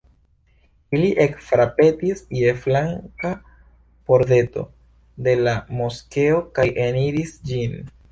Ili ekfrapetis je flanka pordeto de la moskeo kaj eniris ĝin.